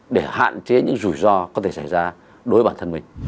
để hạn chế những rủi ro có thể xảy ra đối với bản thân mình